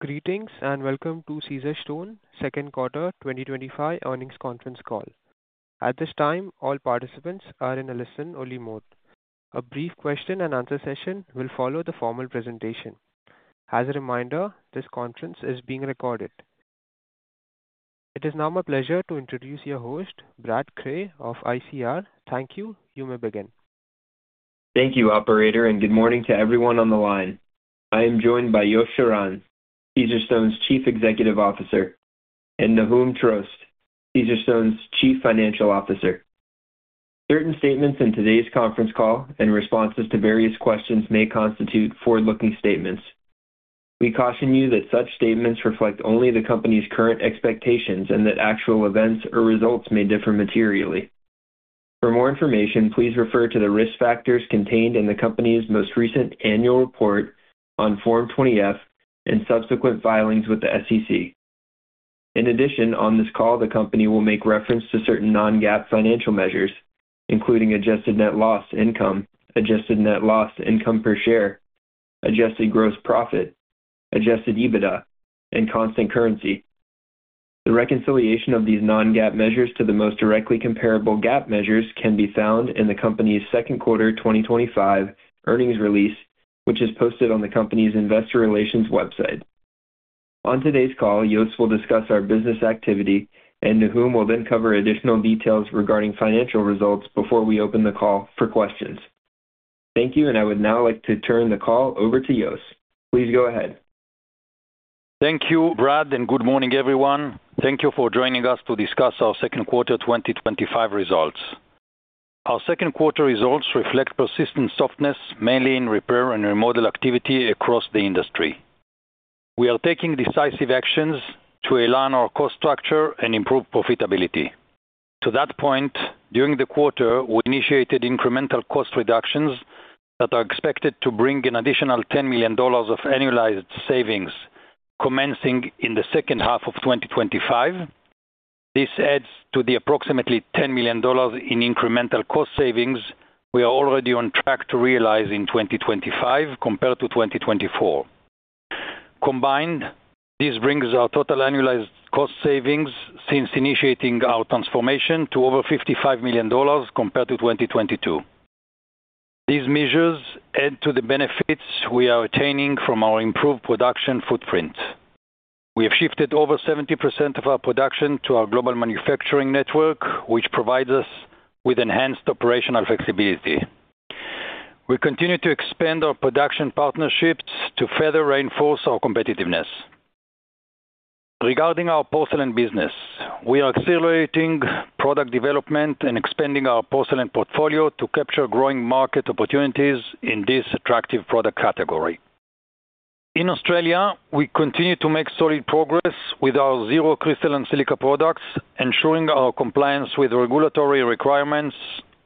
Greetings and welcome to Caesarstone's Second Quarter 2025 Earnings Conference Call. At this time, all participants are in a listen-only mode. A brief question and answer session will follow the formal presentation. As a reminder, this conference is being recorded. It is now my pleasure to introduce your host, Brad Cray of ICR. Thank you. You may begin. Thank you, Operator, and good morning to everyone on the line. I am joined by Yosef Shiran, Caesarstone's Chief Executive Officer, and Nahum Trost, Caesarstone's Chief Financial Officer. Certain statements in today's conference call and responses to various questions may constitute forward-looking statements. We caution you that such statements reflect only the company's current expectations and that actual events or results may differ materially. For more information, please refer to the risk factors contained in the company's most recent annual report on Form 20-F and subsequent filings with the SEC. In addition, on this call, the company will make reference to certain non-GAAP financial measures, including adjusted net loss income, adjusted net loss income per share, adjusted gross profit, adjusted EBITDA, and constant currency. The reconciliation of these non-GAAP measures to the most directly comparable GAAP measures can be found in the company's second quarter 2025 earnings release, which is posted on the company's investor relations website. On today's call, Yos will discuss our business activity, and Nahum will then cover additional details regarding financial results before we open the call for questions. Thank you, and I would now like to turn the call over to Yosf. Please go ahead. Thank you, Brad, and good morning, everyone. Thank you for joining us to discuss our second quarter 2025 results. Our second quarter results reflect persistent softness, mainly in repair and remodel activity across the industry. We are taking decisive actions to align our cost structure and improve profitability. To that point, during the quarter, we initiated incremental cost reductions that are expected to bring an additional $10 million of annualized savings, commencing in the second half of 2025. This adds to the approximately $10 million in incremental cost savings we are already on track to realize in 2025 compared to 2024. Combined, this brings our total annualized cost savings since initiating our transformation to over $55 million compared to 2022. These measures add to the benefits we are attaining from our improved production footprint. We have shifted over 70% of our production to our global manufacturing network, which provides us with enhanced operational flexibility. We continue to expand our production partnerships to further reinforce our competitiveness. Regarding our porcelain business, we are accelerating product development and expanding our porcelain portfolio to capture growing market opportunities in this attractive product category. In Australia, we continue to make solid progress with our zero crystalline silica products, ensuring our compliance with regulatory requirements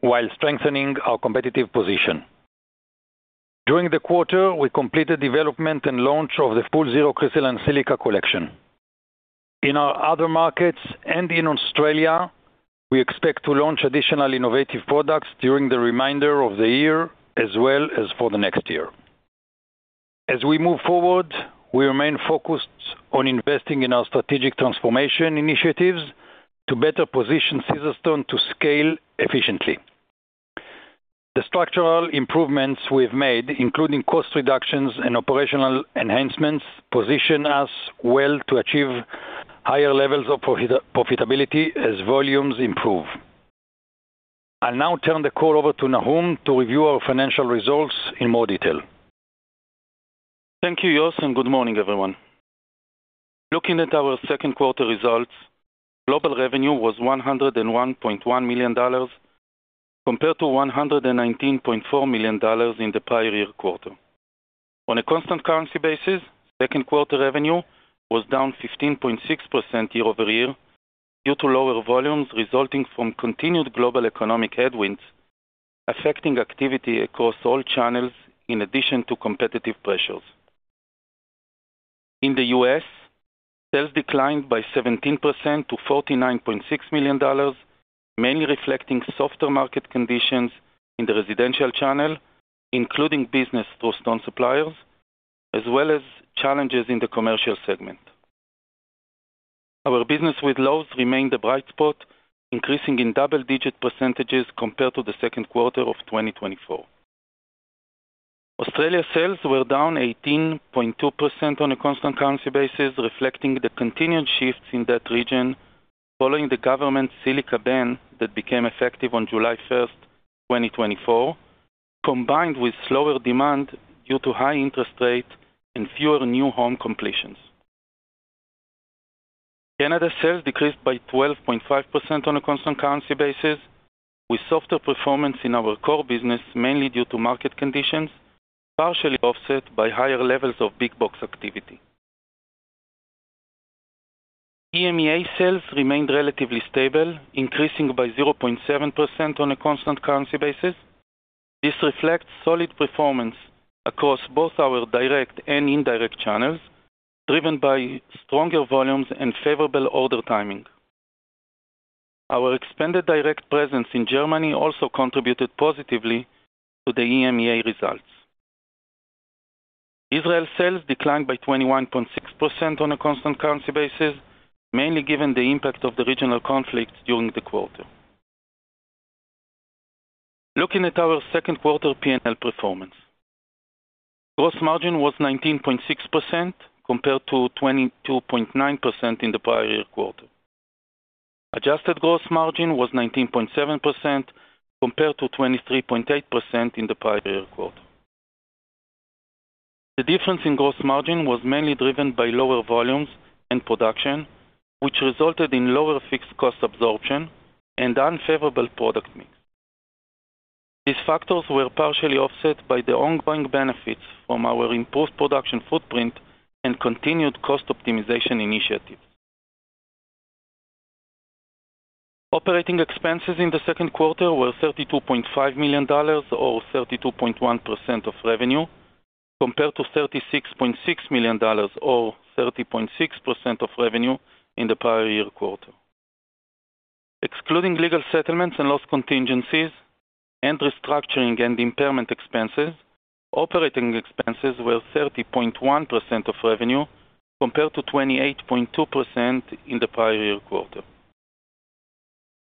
while strengthening our competitive position. During the quarter, we completed development and launch of the full zero crystalline silica collection. In our other markets and in Australia, we expect to launch additional innovative products during the remainder of the year, as well as for the next year. As we move forward, we remain focused on investing in our strategic transformation initiatives to better position Caesarstone to scale efficiently. The structural improvements we've made, including cost reductions and operational enhancements, position us well to achieve higher levels of profitability as volumes improve. I'll now turn the call over to Nahum to review our financial results in more detail. Thank you, Yos, and good morning, everyone. Looking at our second quarter results, global revenue was $101.1 million compared to $119.4 million in the prior year quarter. On a constant currency basis, second quarter revenue was down 15.6% year-over-year due to lower volumes resulting from continued global economic headwinds affecting activity across all channels in addition to competitive pressures. In the U.S., sales declined by 17% to $49.6 million, mainly reflecting softer market conditions in the residential channel, including business through stone suppliers, as well as challenges in the commercial segment. Our business with Lowe's remained the bright spot, increasing in double-digit percentages compared to the second quarter of 2024. Australia sales were down 18.2% on a constant currency basis, reflecting the continued shifts in that region following the government's silica ban that became effective on July 1st, 2024, combined with slower demand due to high interest rates and fewer new home completions. Canada sales decreased by 12.5% on a constant currency basis, with softer performance in our core business, mainly due to market conditions, partially offset by higher levels of big box activity. EMEA sales remained relatively stable, increasing by 0.7% on a constant currency basis. This reflects solid performance across both our direct and indirect channels, driven by stronger volumes and favorable order timing. Our expanded direct presence in Germany also contributed positively to the EMEA results. Israel sales declined by 21.6% on a constant currency basis, mainly given the impact of the regional conflicts during the quarter. Looking at our second quarter P&L performance, gross margin was 19.6% compared to 22.9% in the prior year quarter. Adjusted gross margin was 19.7% compared to 23.8% in the prior year quarter. The difference in gross margin was mainly driven by lower volumes and production, which resulted in lower fixed cost absorption and unfavorable product mix. These factors were partially offset by the ongoing benefits from our improved production footprint and continued cost optimization initiatives. Operating expenses in the second quarter were $32.5 million, or 32.1% of revenue, compared to $36.6 million, or 30.6% of revenue in the prior year quarter. Excluding legal settlements and loss contingencies and restructuring and impairment expenses, operating expenses were 30.1% of revenue compared to 28.2% in the prior year quarter.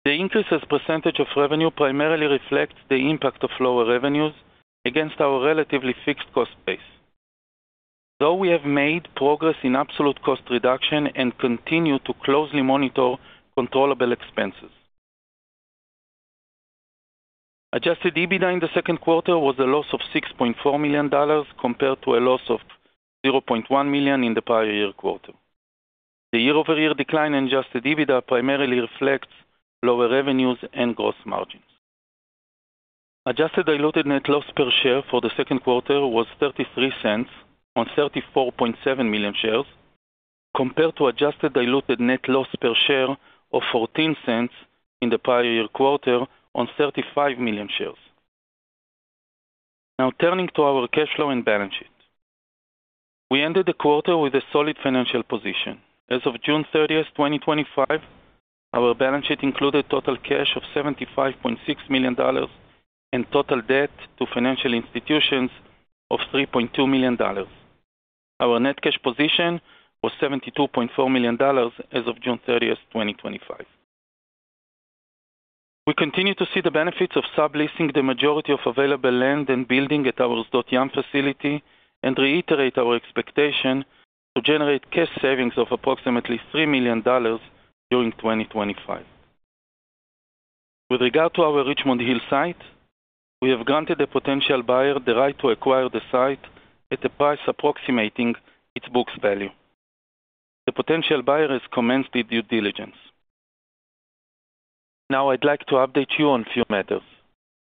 The increase as a percentage of revenue primarily reflects the impact of lower revenues against our relatively fixed cost base. Though we have made progress in absolute cost reduction and continue to closely monitor controllable expenses. Adjusted EBITDA in the second quarter was a loss of $6.4 million compared to a loss of $0.1 million in the prior year quarter. The year-over-year decline in adjusted EBITDA primarily reflects lower revenues and gross margins. Adjusted Diluted Net Loss per share for the second quarter was $0.33 on 34.7 million shares, compared to Adjusted Diluted Net Loss per share of $0.14 in the prior year quarter on 35 million shares. Now turning to our cash flow and balance sheet, we ended the quarter with a solid financial position. As of June 30th, 2025, our balance sheet included total cash of $75.6 million and total debt to financial institutions of $3.2 million. Our net cash position was $72.4 million as of June 30th, 2025. We continue to see the benefits of subleasing the majority of available land and building at our Sdot-Yam facility and reiterate our expectation to generate cash savings of approximately $3 million during 2025. With regard to our Richmond Hill site, we have granted a potential buyer the right to acquire the site at a price approximating its book value. The potential buyer has commenced the due diligence. Now I'd like to update you on a few matters.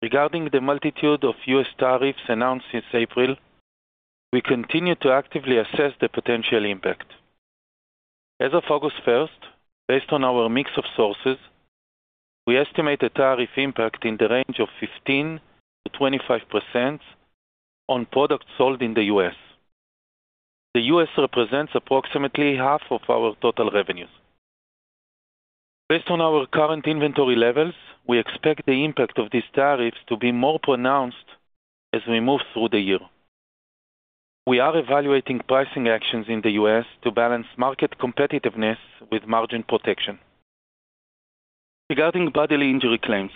Regarding the multitude of U.S. tariffs announced since April, we continue to actively assess the potential impact. As of August 1st, based on our mix of sources, we estimate a tariff impact in the range of 15%-25% on products sold in the U.S. The U.S. represents approximately half of our total revenues. Based on our current inventory levels, we expect the impact of these tariffs to be more pronounced as we move through the year. We are evaluating pricing actions in the U.S. to balance market competitiveness with margin protection. Regarding bodily injury claims,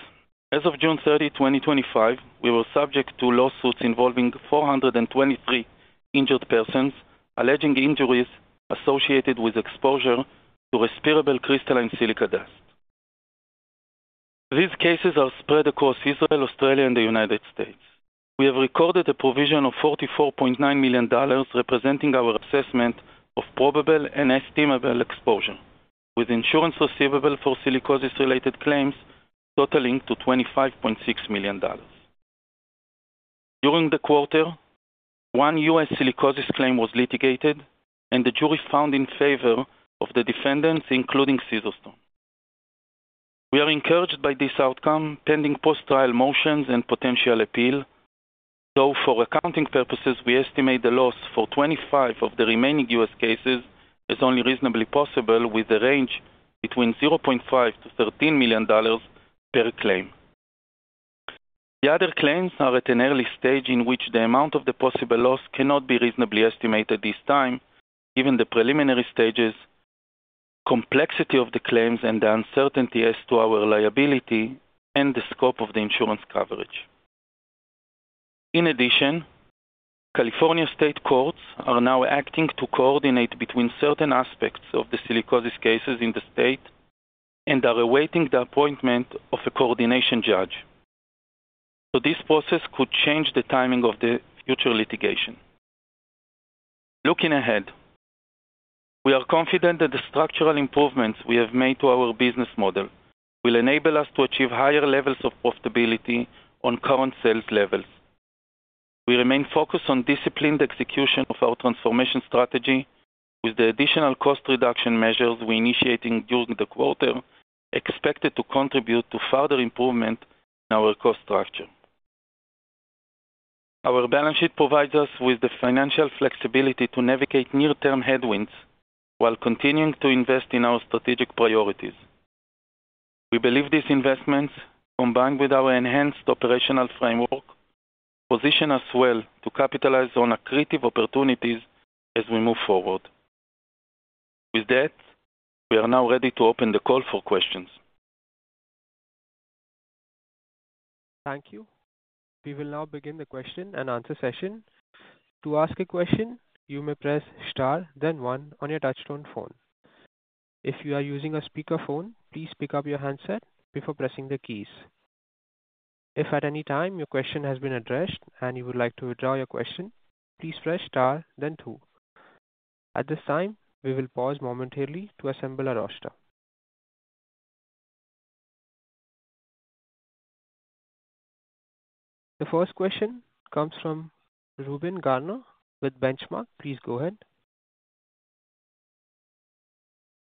as of June 30, 2025, we were subject to lawsuits involving 423 injured persons alleging injuries associated with exposure to respirable crystalline silica dust. These cases are spread across Israel, Australia, and the United States. We have recorded a provision of $44.9 million representing our assessment of probable and estimated exposure, with insurance receivable for silicosis-related claims totaling $25.6 million. During the quarter, one U.S. silicosis claim was litigated, and the jury found in favor of the defendants, including Caesarstone. We are encouraged by this outcome pending post-trial motions and potential appeal. Though for accounting purposes, we estimate the loss for 25 of the remaining U.S. cases as only reasonably possible, with a range between $0.5 million-$13 million per claim. The other claims are at an early stage in which the amount of the possible loss cannot be reasonably estimated at this time, given the preliminary stages, the complexity of the claims, and the uncertainty as to our liability and the scope of the insurance coverage. In addition, California state courts are now acting to coordinate between certain aspects of the silicosis cases in the state and are awaiting the appointment of a coordination judge. This process could change the timing of the future litigation. Looking ahead, we are confident that the structural improvements we have made to our business model will enable us to achieve higher levels of profitability on current sales levels. We remain focused on disciplined execution of our transformation strategy, with the additional cost reduction measures we are initiating during the quarter expected to contribute to further improvement in our cost structure. Our balance sheet provides us with the financial flexibility to navigate near-term headwinds while continuing to invest in our strategic priorities. We believe these investments, combined with our enhanced operational framework, position us well to capitalize on accretive opportunities as we move forward. With that, we are now ready to open the call for questions. Thank you. We will now begin the question and answer session. To ask a question, you may press star, then one on your touch-tone phone. If you are using a speakerphone, please pick up your handset before pressing the keys. If at any time your question has been addressed and you would like to withdraw your question, please press star, then two. At this time, we will pause momentarily to assemble a roster. The first question comes from Reuben Garner with Benchmark. Please go ahead.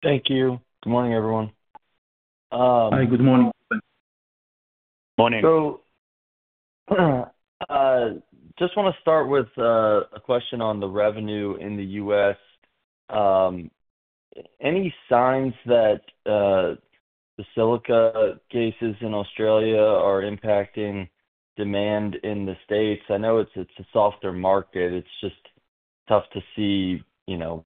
Thank you. Good morning, everyone. Hi, good morning. Morning. I just want to start with a question on the revenue in the U.S. Any signs that the silica cases in Australia are impacting demand in the States? I know it's a softer market. It's just tough to see, you know,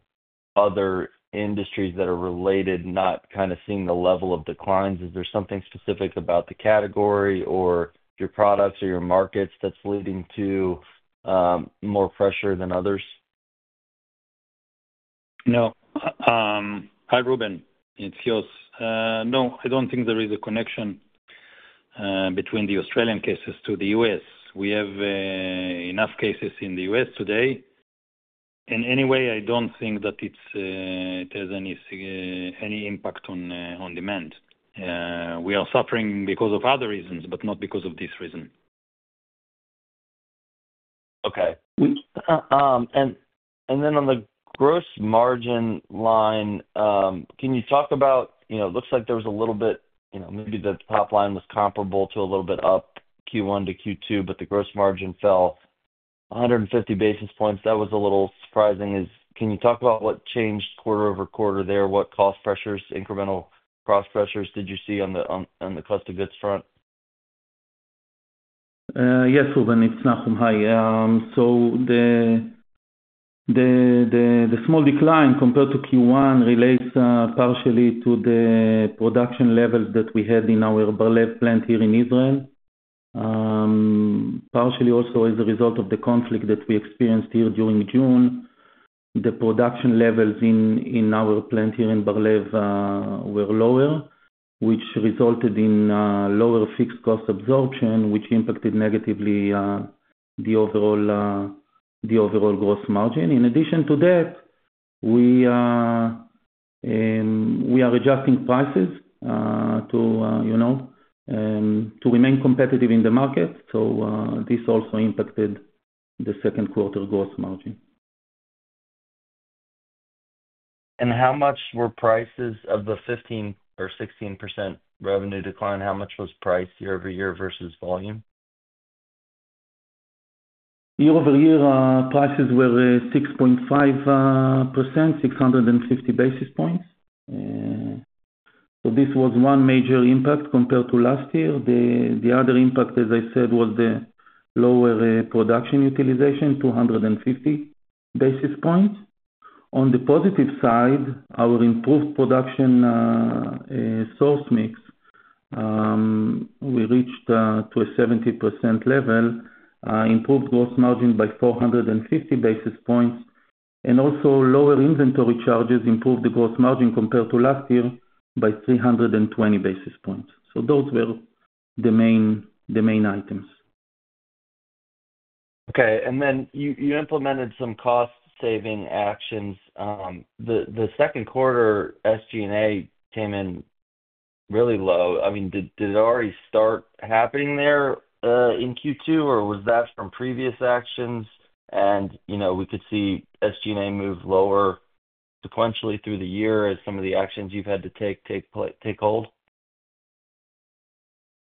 other industries that are related not kind of seeing the level of declines. Is there something specific about the category or your products or your markets that's leading to more pressure than others? No. Hi, Reuben. It's Yos. No, I don't think there is a connection between the Australian cases to the U.S. We have enough cases in the U.S. today. Anyway, I don't think that it has any impact on demand. We are suffering because of other reasons, but not because of this reason. Okay. On the gross margin line, can you talk about, you know, it looks like there was a little bit, you know, maybe the top line was comparable to a little bit up Q1 to Q2, but the gross margin fell 150 basis points. That was a little surprising. Can you talk about what changed quarter over quarter there? What cost pressures, incremental cost pressures did you see on the cost of goods front? Yes, Reuben, it's Nahum. Hi. The small decline compared to Q1 relates partially to the production levels that we had in our Bar-Lev plant here in Israel. Partially also as a result of the conflict that we experienced here during June, the production levels in our plant here in Bar-Lev were lower, which resulted in lower fixed cost absorption, which impacted negatively the overall gross margin. In addition to that, we are adjusting prices to remain competitive in the market. This also impacted the second quarter gross margin. How much were prices of the 15% or 16% revenue decline? How much was price year-over-year versus volume? Year-over-year, prices were up 6.5%, 650 basis points. This was one major impact compared to last year. The other impact, as I said, was the lower production utilization, 250 basis points. On the positive side, our improved production source mix, we reached a 70% level, improved gross margin by 450 basis points, and also lower inventory charges improved the gross margin compared to last year by 320 basis points. Those were the main items. Okay. You implemented some cost-saving actions. The second quarter, SG&A came in really low. Did it already start happening there in Q2, or was that from previous actions? You know we could see SG&A move lower sequentially through the year as some of the actions you've had take hold?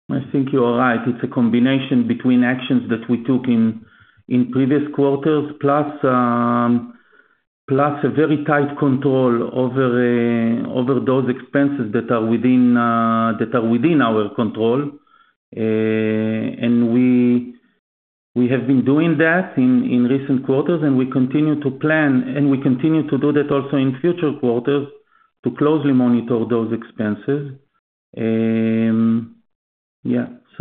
I think you're right. It's a combination between actions that we took in previous quarters, plus a very tight control over those expenses that are within our control. We have been doing that in recent quarters, and we continue to plan, and we continue to do that also in future quarters to closely monitor those expenses.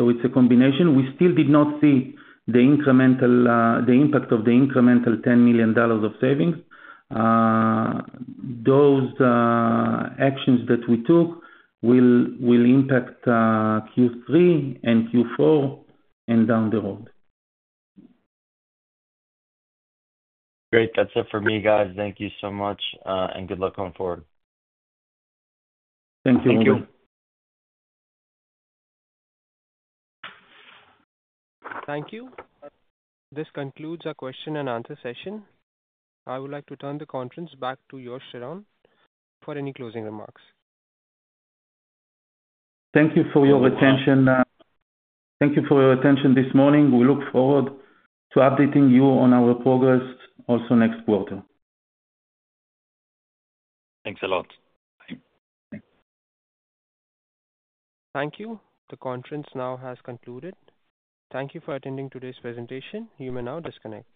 It's a combination. We still did not see the impact of the incremental $10 million of savings. Those actions that we took will impact Q3 and Q4 and down the road. Great. That's it for me, guys. Thank you so much, and good luck going forward. Thank you. Thank you. Thank you. This concludes our question and answer session. I would like to turn the conference back to Yos Shiran for any closing remarks. Thank you for your attention this morning. We look forward to updating you on our progress also next quarter. Thanks a lot. Thank you. The conference now has concluded. Thank you for attending today's presentation. You may now disconnect.